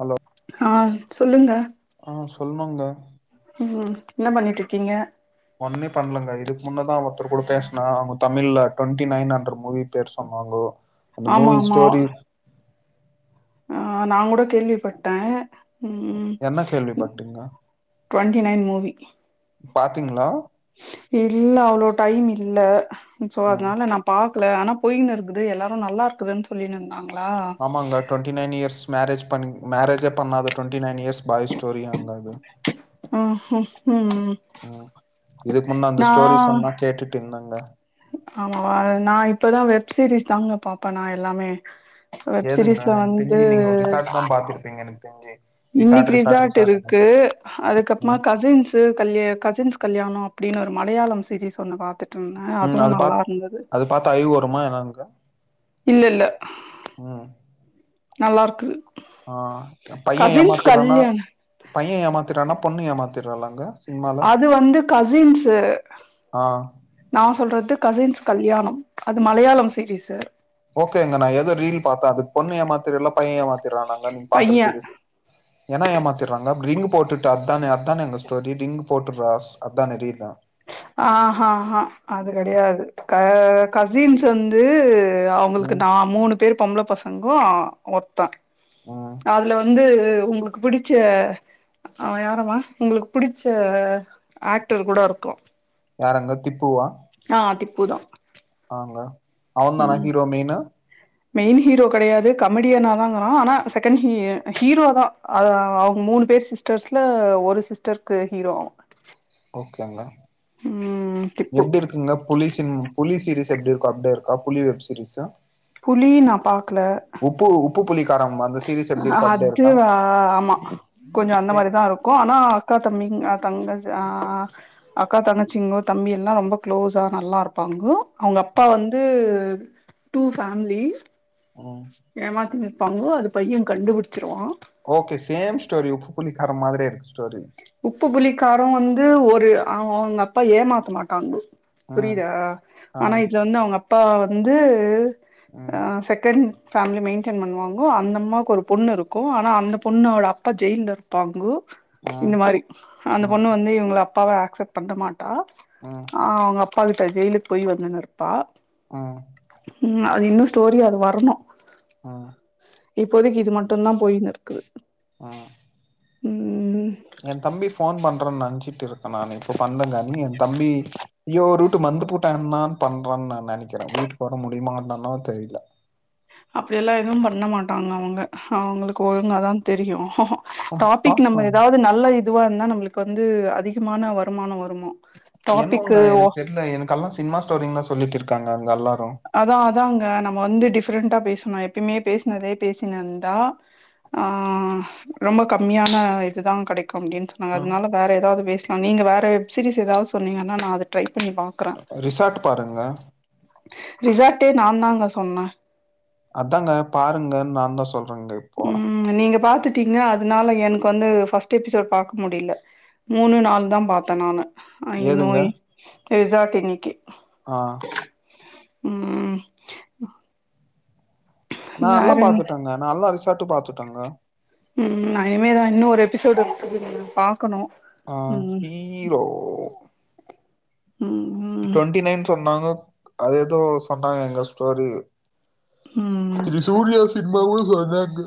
Hello ஆ சொல்லுங்க சொல்லுங்க ம் என்ன பண்ணிட்டு இருக்கீங்க ஒன்னே பண்ணலங்க இது முன்னத தா ஒருத்தர் கூட பேசுனா அவங்க தமிழ்ல டுவெண்டி நைன் ஹண்ட்ரட் மூவி பேர் சொன்னாங்கோ அந்த ஆமா மூவி ஆமா ஸ்டோரி ஆ நா கூட கேள்விப்பட்டே ம் என்ன கேள்விப்பட்டீங்க டுவெண்ட்டி நையன் மூவி பாத்தீங்கிளா இல்ல அவ்ளோ டைம் இல்ல சோ ம் அதுனால நா பாத் க்கல ஆனா போயின்னு இருக்குது எல்லாரு நல்லாக்குதுன்னு சொல்லி நாங் ஆமாங்க டுவெண்ட்டி நைன் இயர்ஸ் மேரேஜ் பண்ணி மேரேஜ பண்ணாத twenty nine years boy story அங்க அது ம் ம் ம் ம் இதுக்கு முன்ன அந்த நா ஸ்டோரிஸ் சென்னா கேட்டுட்டு இருந்தேங்க ஆமாவா நா இப்பதா வெப் சீரிஸ் தாங்க பாப்பே நா எல்லாமே வெப் எதுங்க சீரிஸ்ல எனக்கு வந்து தெரிஞ்சு நீங்க ஒரு ரிசார்ட் தா பாத்துருப்பீங்க எனக்கு தெரிஞ்சு இன்னைக்கு ரிசார்ட் இருக்கு அதுக்கப்புறமா ம் கசின்ஸ் கல்ய கசின்ஸ் கல்யாணோ அப்படின்னு ஒ மலையாளம் சீரிஸ் ஒன்னு பாத் ம் அது பாத் அது பாத்து ஐ வருமா என்னங்க்கா இல்ல இல்ல நல்லா இருக்கு ஆ எ பைய ஏமாத்துறன்னா கல்யாண் பைய ஏமாத்துறானா பொண்ணு ஏமாத்துறாளாங்க அது வந்து கசின்ஸு ஆ நா சொல்றது கசின்ஸ் கல்யாணம் அது மலையாளம் சீரியஸு ஓகேங்க நா ஏதோ ரீல் பாத்தே அது பொண்ணு ஏமாத்திறால்ல பைய ஏமாத் திறாலங்க நீங்க பாக்குற பைய சீரியஸ் ஏன்னா ஏமாத்திடுறாங்க ரிங் போட்டுட்டு அத்தானே அத்தானே அங்க ஸ்டோரி ரிங் போட்டு ராஸ் அத்தா ரீலா ஆ கசின்ஸ் வந்து ஆ அவுங்களுக்கு ம் நா மூணு பேரு பொம்பள பசங்கோ ஆ ஒருத்த ம் அதுல வந்து து உங்களுக்கு பிடிச்ச அவ யாரமா உங்களுக்கு புடிச்ச ஆக்டர் கூட இருக்கு யாரங்க திப்புவா ஆ திப்புதா ஆங்க அவதானா ஹீரோ மெயினு மெயின் ஹீரோ கெடையாது கமெடியனாதாவரா ஆனா செகண்ட் ஹீ ஹீரோதா ஆ அவங்க மூணு பேர் சிஸ்டர்ஸ்ல ஒரு சிஸ்டருக்கு ஹீரோ க்காங்களா ம் திப்பு எப்பிடி இருக்கீங்க புலி சிங் புலி சிரீஸ்ஸா த்து எப்பிடி இருக்கு அப்பிடியே இருக்கா புளி வெப் சீரீஸ்ஸா புளி நா பாக்கல உப்பு புளி ஆ அதுவா ஆமா கொஞ்சோ அந்த சே மாரிதா இருக்கு ஆனா அக்கா தம்பி தங்க ஆ அக்கா தங்கச்சிங்கோ தம்பி எல்லா ரொம்ப க்ளோஸா நல்லா இருப்பாங்கோ அவுங்க அப்பா வந்து டூ ஃபேமிலி ம் ஏமாத்திங் ப்பாங்கோ அந்த பைய கண்டுபிடிச்சிருவான் ஓகே சேம் ஸ்டோரி உப்பு புளிக்காரம் மாரி இருக்கு ஸ்டோரி உப்பு புளிக்காரம் வந்து ஒரு அவ அவங்க அப்பா ஏமாத்த மாட்டாங்கோ ம் புரியிதா ஆ ஆனா இதுல வந்து அவுங்க ப்பா வந்து அ ம் செகேண்ட் ஃபேமிலி மெயின்டென் பண்ணுவாங்கோ அந்த அம்மாவுக்கு ஒரு பொண்ணு இருக்கு ஆனா அந்த பொண்ணோட அப்பா ஜெயில்ல இருப்பாங்கோ இந்த ம் மாரி அந்த பொண்ணு ம் வந்து இவுங்கள ப்பாவ ஆக்ஸப்ட் பண்ணமாட் ஆ ம் அவங்க அப் ப்பா கிட்ட ஜெயிலுக்கு போய் வந்தன்னு இருப்பா ம் ம் அது இன்னு ஸ்டோரியா அது வரணு ம் இப்போதிக்கு இது மட்டுதா போயின் இருக்குது ஆ ம் என் தம்பி போன் பண்றேன்னனு நினைச்சிட்டு இருக்கே நானு இப்ப பண்ணேங்கன்னி என் தம்பி ஐயோ ரூட்டு மந்து பூட்டேனான்னு பண்றேன்னு நா நினைக்கிறே வீட்டுக்கு வர முடியுமாந்தான தெரியல அப்படி எல்லா எதுவும் பண்ண மாட்டாங்க அவங்க அவங்களுக்கு ஒழுங்காதா தெரியு ம், டாபிக் நம்ம பார்க்கலாம் ஏதாவது நல்ல இ இதுவாக இருந்தா நம்மளுக்கு வந்து அதிகமான வருமானம் வரும் என்ன ஒன்னு எனக்கு தெரில எனக்குக்கெல்லா சினிமா ஸ்டோரிங தா சொல்லிட்டு இருக் க்கங்க அதா அதாங்க நம்ம வந்து டிஃப்ரெண்டா பேசு ஆமா எப்பயமே பேசினதே பேசினந்தா ஆ ரொம்ப கம்மியான இதுதா கிடைக் கம்டின்னு சொன்னாங்க ஆ, அதனால வேற ஏதாவது பேச அ நீங்கள் வேறு வெப்சீஸ் ஏதாவது சொன்னிங்கன்னா நா அது ட்ரை பண்ணி பாக்குறே ரிசார்ட் பாருங்க ரிசார்ட்டே நா தாங்க சொன்னே அதாங்க பாருங்கன்னு நா தா சொல் ம் நீங்க பாத்துட்டீங்க அதனால எனக்கு வந்து ஃபஸ்டு எபிசோட் பார்கக்க முடியல மூணு நாள் தா பார்த்தே நானு ஆ ஏதுங்க நோய் ரிசார்ட் இன்னிக்கு ஆ ம் நா வேற எல்லா பாத்துட்டேங்க நல்லா இருச்சி தட்டு பாத்துட்டோங்க ம் நா இனிமேதா இன்னு ஒரு எபிசோடுப்பா இருக்குதுங்க பா ஆ ஹீரோ ம் ட்வெண்டி நைன் சொன்னாங்க அது ஏதோ சொன்னாங்க எங்க ஸ்டோரி ம் திரிசூர்யா சினமாவு வராங்க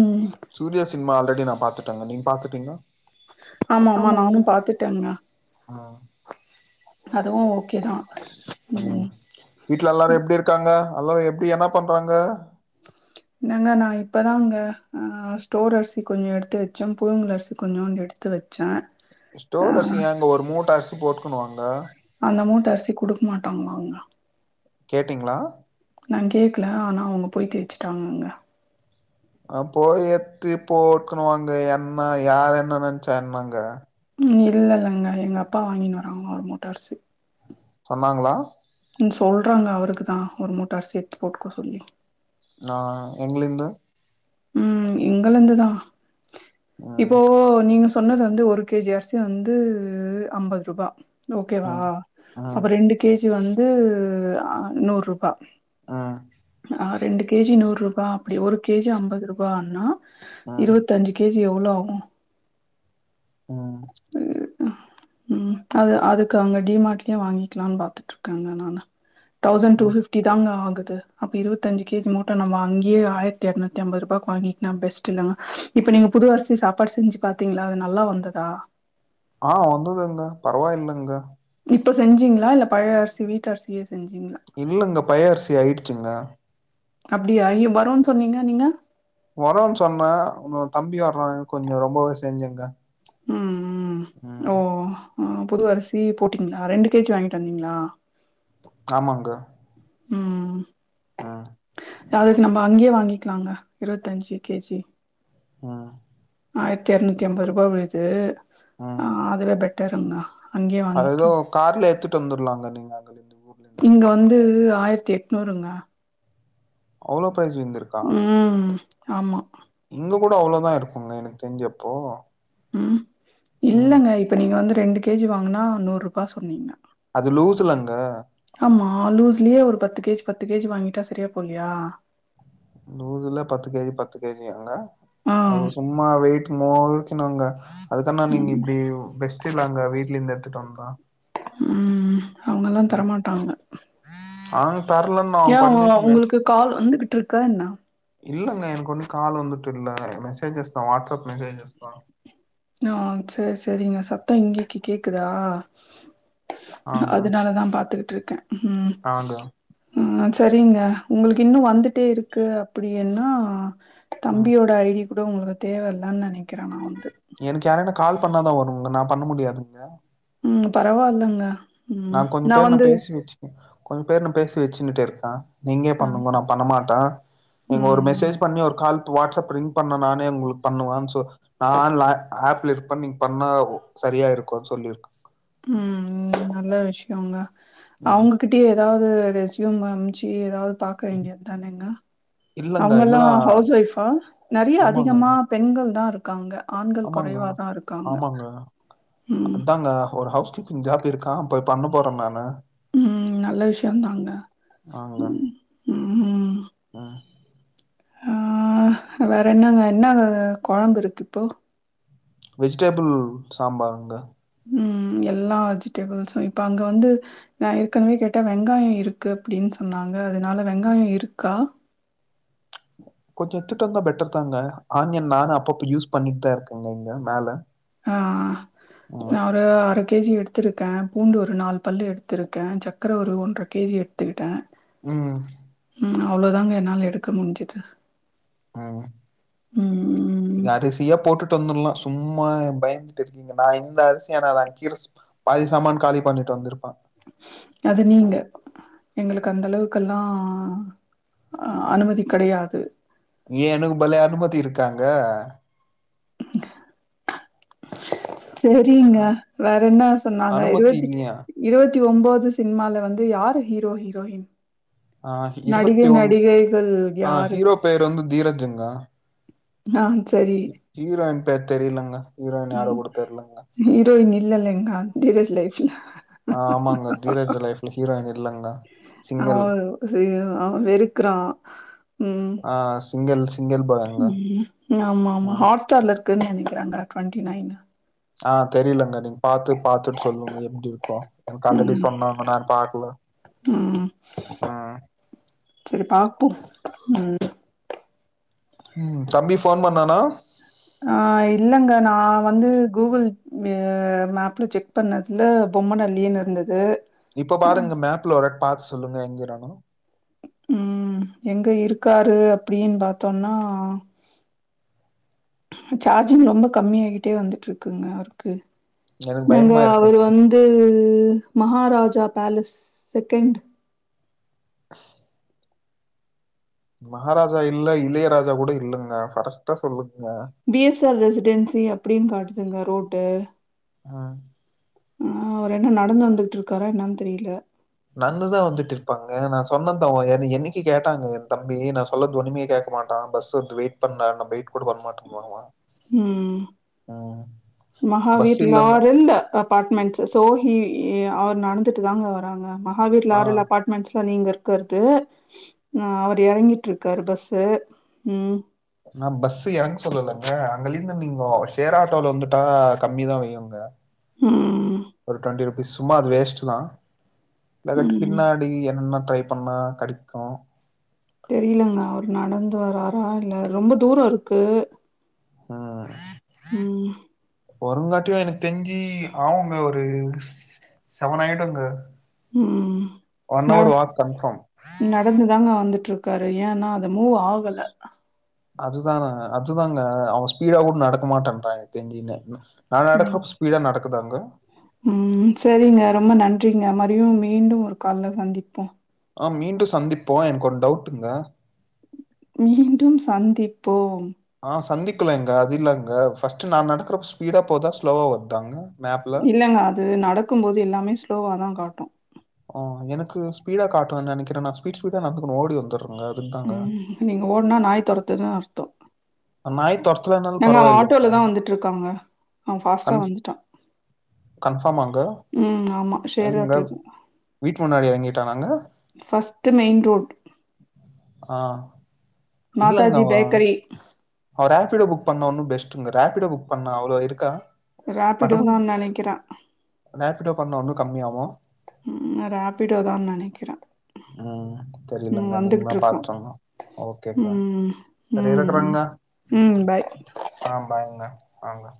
ம் சூரியா சினிம்மா ஆல்ரெ அப்படி நா பாத்துட்டேங்க நீங்க பாத்துட்டிங்கள ஆமா ஆமா நானு பாத்துட்டேங்க ஆ அதுவு ஓகே தா ம் வீட்டுல எல்லாரு எப்டி இருக்காங்க எல்லாரு எப்படி என்ன பண்றாங்க என்னங்க நா இப்பதா அங்க ஆ ஸ்டோர் அரிசி கொஞ்ச எடுத்து வச்சே புழுங்கல் அரிசி கொஞ்சூண்டு எடுத்து வச்சே ஆ ஸ்டோர் அரிசி அங்க ஒரு மூட்ட போட்டுக்கணுவாங்க அந்த மூட்டை அரிசி குடுக்க மாட்டாங்களா அவங்க கேட்டீங்களா நா கேக்கல ஆனா அவங்க போய் தேச்சுட்டாங்கங்க அப் போய் எத்தி போக்கணுவாங்க என்ன யார் என்ன நினைச்சா என்னங்க இல் இல்லங்க எங்க அப்பா வாங்கின்னு வராங்க ஒரு மூட்ட அரிசி வராங்களா ம் சொல்றாங்க அவருக்கு தா ஒரு மூட்ட அரிசி ஏத்து போட்டுக்க சொல்லி நா எங்கலிந்து ம் எங்க இருந்துதா ஆ இப்போ நீங்க சொன்னது வந்து ஒரு கேஜி அரிசி வந்து ஐம்பது ரூபா ஆ ஓகேவா ஆ அப்ப ரெண்டு கேஜி [unintelligible] வந்து ஆ நூறுபா ஆ ஆ ரெண்டு கேஜி நூறு ரூபா அப்டி ஒரு கேஜி ஐம்பது ருபானா ஆ இருபத்த அஞ்சு கேஜி எவ்ளோ ஆகு ம் ம் அது அதுக்கு அவங்க டிமார்ட்லயே வாங்கிக்கலான்னு பாத்துட்டு இருக்காங்க நானு தௌசண்ட் டு ம் பிப்டி தா ஆகு து அப்ப இருவத்திஞ்சு கேஜி மூட்ட நம்ம அங்கேயேயிரத்தி எட்நூத்திஐம்பது ரூபாய்கக்கு வாங்கிக்கா பெஸ்ட் இல்லைங்க இப்ப நீங்க புதுவரிசி சாப்பாடு செஞ்சு பாத்தீங்களா அது நல்லா வந்ததா ஆ வந்ததுங்க பரவாயில்லங்க இப்ப செஞ்சீங்களா இல்ல பழைய அரிசி வீட்டரிசியே இல்லங்க பையரிசி ஆயிடுச்சுங்க அப்படியா ஐ வரோன்னு சொன்னீங்க நீங்க வருன்னு சொன்னா உன்ன தம்பி வர கொஞ்ச ரொம்பவே செஞ்சுங்க ம் [unintelligible] ம் ஓ ம் புது அரிசி போட்டீங்களா ரெண்டு கேஜி வாங்கிட்டு வந்தீங்களா ஆமாங்க ம் அ டிராவல்க்கு நம்ம அங்யே வாங்கிக்கிலாங்க இருபத்தஞ்சு கே ஜி ஆ ஆயிரத்தி எரநூத்தி ஐம்பது ரூபா விழுது ம் ஆ அதுல பெட் கேக்குன்னா அது ஏதோ கார்ல ஏத்துட் வந்துருலாங்க நீங்க அதுலருந்து ஊர்ல இருந்து ஆயிரத்தி எட்நூறுங்க அவ்ளோ பிரைஸ் விழுந்திருக்கா ம். ஆமா இங்க கூட அவ்ளோதா இருக்குங்க எனக்கு தெஞ்சு அப்போ ம் இல்லங்க இப்ப நீங்க வந்து ரெண்டு கே ஜி வாங்னா நூறு ரூபா சொன்னீங்க அது லூசுலங்க ஆமா லூஸ்லே ஒரு பத்து கே ஜி பத்து கே ஜி வாங்கிட்டா செரியா போல்யா லூஸ்ல பத்து கே ஜி பத்து கே ஜியாங்க ஆ. அது சும்மா வெயிட் மோல் சின்னவுங்கா அதுக்கானா நீங்க ம். இப்டி உ பெஸ் தில்லாங்க வீட்லேந்து எத்துட்டோம் கா ம் அவுங்கல்லா தரமாட்டாங்க ஆ [unintelligible] உங்ளுக்கு கால் வந்துகிட்டு இருக்கா என்ன இல்லங்க எனகொன்னு கால் வந்துட்டு இல்ல மெசேஜஸ்தா வாட்ஸ்அப் மெசேஜஸ்தா ஆ செரி செரிங்க சத்தம் இங்கக்கி கேக்குதா ஆங்க அதனாலதா பாத்துட் ட்ருக்க ம் ஆங்க மஜ் செரிங்க உங்ளுக்கு இன்னு வந்துட்டே இருக்கு அப்டி என்னா ம் தம்பியோட ஐ டிப் கூட உங்ளுக்கு தேவயில்லனு நெனைக்கிற நா வந்து எனக் யாரானா கால் பண்ணாதா வருங்க நா பண்ண முடியாதுங்க ம் பரவால்லங்க நா ம். கொஞ்ச நான் பேர் நா வந்து பேசி வச்சுக்கே கொஞ்ச பேரு நா பேசி வச்சுனுட்டு இருக்கெ நீங்கே அ பண்ணுங்கொ நா பண்ண மாட்டே நீங்க ஒரு ம் மெசேஜ் பண்ணி ஒரு கால் டு வாட்ஸ்அப் ரிங்க் பண்ணா நானே உங்களுக் பண்ணுவேன் சொ நா ஆன்ல ஆப்ல இருப்பே நீங்க பண்ணா சரியா இருக்குன் சொல்லிருக்க ம் நல்ல விஷ்யெங்க ம் அவுங்ககிட்ட எதா து ரெஸ்யும் அம்ச்சு எதாவ் பாக்க ம். வேண்டியதானெங்க இல்லங்க அவுங்கல்லா இங்கதா ஹவுஸ்‌ ஒய்ஃபா நெறைய ஆமாங்க அதிகமா பெண்கள் தா இரு க்காங்க ஆமாங்க ஆமாங்க ம் அதாங்க ஒரு ஹவுஸ் இந்த ஆப் இருக்கா அப்ப பண்ண போற நானு ம் நல்ல விஷ்யொந்தாங்க ஆங்க ம் ம் ம் ஆ வேற என்னங்க என்ன கொழம்புருக்கு இப்போ வெஜ்டேபுள் சாம்பாருங்க ம் எல்லா வெஜிடபிள்ஸு இப்ப அங்க வந்து நா ஏற்கனவே கேட்டே வெங்காய இருக்கு அப்டின் சொன்னாங்க அதனால வெங்காய இருக்கா கொஞ்ச எத்துட்டு வந்தா பெட்டர் தாங்க ஆனியன் நானு அப்பப்ப யூஸ் பண்ணிட்தா இருக்கேங்க இங்க மேல ஆ ம் நா ஒரு அர கே ஜி எடுத்துருக்கே பூண்டு ஒரு நாலு பல்லு எடுத்துருக்கே சக்கர ஒரு ஒன்ர கே ஜி எடுத்துக்கிட்டே ம் ம் அவ்ளொதாங்க என்னால எடுக்க முஞ்சுது ம் இங்க அரிசிய போட்டு ட்டு வந்துர்லா சும்மா பயந்துட்டுருக்கீங்க நா இந்த அரிசிய நாலா கீழ பாதி சாமான் காலி பண்ணிட்டு வந்திருப் அது நீங்க எங்களுக்கு அந்த அளவுக்கல்லா அ அனுமதி கடையாது ஏ எனக்கு பலே அனுமதி இருக்காங்க [inaudible] தெரியிங்க அ- வேற என்ன சொன்னாங்க அனுமதி இருவத்தி இல்லையா இருவத் தி ஒம்போது சினிமால வந்து யாரு ஹீரோ ஹீரோயின் ஆ நடிகை இருவத்தி ஒம் நடிகைகள் ஆ யாரு ஹீரோ பேர் வந்து தீரஜுங்க ஆ சே இரண் பேர் தெரியிலங்கா ம் ஹிரோயின் இல்லல்ல எங்க தீரேஜ் லைப் ஆ ஆமாங்க தீரஜ் லைப்ல ஹீரோயின் இர ஆ வெறுக்கறான் ம் ஆ சிங்கிள் சிங்கிள் பாய்ங்க ஆமா ஆமா ம் ஹாட்ஸ்டார்ல இருக நனைக்கிறாங்க டுவெண்டி நைன் ஆ தெரியலங்க அது பாத்து பாத்துட்டு சொல்லுங்க எப்டி இருக்கு எனக்கு ஆல்ரெடி ம் சொன்னாங்க நான் பாக்கல உஹம் செரி பாப்போம் உம் உம் தம்பி போன் பண்ணானா அஹ் இல்லங்க நான் வந்து கூகுள் மேப் செக் பண்ணதுல பொம்ம நள்ளின்னு இருந்தது இப்ப அ பாருங்க மேப்ல பார்த்து சொல்லுங்க எங்கராணு உம் எங்க இருக்காரு அப்டின்னு பாத்தோம்னா சார்ஜிங் ரொம்ப கம்மியா ஆகிட்டே வந்துட்டுருக்குங்க அவருக்கு எனக்கு நாங்க பயமா அவர் இருக்குங்க வந்து மகாராஜா பேலஸ் செகண்ட் மகாராஜா இல்ல இளையராஜா கூட இல்லங்க கரக்ட்டா சொல்லுங்க பி எஸ் ஆர் ரெசிடென்சி அப்படின்னு காட்டுது ங்க ருட்டு ஆஹ் ஆஹ் அவர் என்ன நடந்து வந்துகிட்டு இருக்காரா என்னன்னு தெரியல நடந்துதான் வந்துட்டு இருப்பாங்க நான் சொன்னதான் என் என்னைக்கு கேட்டாங்க என் தம்பி நான் சொல்லது ஒண்ணுமை கேட்க மாட்டான் பஸ் வரும் வெயிட் பண்ணா நா வெயிட் கூட பண்ணமாட்டேனுவான் உம் பஸ் மகாவீர் இல்லன்னா லாரல் அப்பார்ட்மெண்ட்ஸ் சோ ஹி அவர் நடந்துட்டு தாங்க வராங்க அது ஆ லாரல் அப்பார்ட்மெண்ட்ஸ் இப்போ நீங்க இருக்கற்து ஆஹ் அவர் இறங்கிட்டு இருக்காரு பஸு உம் நான் பஸ் இறங்க சொல்லலங்க அங்கல இருந்து நீங்க ஷேர் ஆட்டோல வந்துட்டா கம்மிதான் வையும்ங்க ம் சும்மா அது வேஸ்ட் தான் லகட்டு ம் பின்னாடி என்ன ட்ரை பண்ணா கெடைக்கும் ஆ இல்ல ரொம்ப தூரோ இருக்கு ஆ ம் வருங்காட்டியு எனக்கு தெரிஞ்சி அவுங்க ஒரு செவன் ஆயடுங்க ம் நடந் கன்ஃபார்ம். நடந்துதாங்க வந்துட்டு இருக் க்காரு ஏன்னா அத மூவ் ஆகல அதுதானா அதுதாங்க அவன் ஸ்பீடா கூட நடக்க மாட்டான்றா தெரிஞ்சுனு ம் ம் சரிங்க ரொம்ப நன் றிங்க மாறியு மீண்டும் ஒரு கால்ல சந்திப்போ ஆ மீண்டு சந்திப்போ எனக்கோர் டவுட்டுங்க மீண்டும் சந்திப்போம் ஆ சந்திக்கலங்க அது இல்லங்க ஃபஸ்ட்டு நா நடக்கறப்ப ஸ்பீடா போதா ஸ்லோவா வருதாங்க மேப்ல? இல்லங்க அது நடக்கு போது எல்லாமே ஸ்லோவாதா காட்டு ஆ எனக்கு ஸ்பீடா காட்டுதுனு நெனைக்கிறே நா ஸ்பீட் ஸ்பீடா நடந்து ஓடி வந்துற ம் நீங்க ஓட்னா நாய் தொரத்துதா நாய் தெரத்துலனாலு அவன் பரவாயில்லங்க ஆட்டோல தான் வந்துட்டுருக்காங்க. அவன் ஃபாஸ்ட்டா கன்பா வந்துட்டான். கன்ஃபார்மாங்க ம் ஆமா. ஷேர் எங்க ஆட்டோ இது. வீட்டு முன்னாடி இறங்கிட்டனாங்க ட்டு மெயின் ரோடு் ஆ மாதாஜி பேக்கரி அவ ராப்ஃபிடோ புக் பண்ண ஒன்னு பெஸ்ட்ங்க ராப்ஃபிடோ புக் பண்ணா அவ்ளோ இருக்கா ராப்பிடோதா நெனைக்கிறே கிட்டோ பண்ணோ இன்னு கம்மியாவு ம் ராப்பிடோதா நெனைக்கிறே ம் தெரியலங்க நீங்கதா பாத்து சொல்லனு ஓகேங்க ம் சரி ம் இருக்குறங்க ம் பாய் ஆ பாய்ங்க ஆங்க